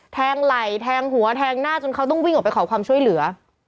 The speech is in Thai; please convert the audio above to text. ไหล่แทงหัวแทงหน้าจนเขาต้องวิ่งออกไปขอความช่วยเหลือ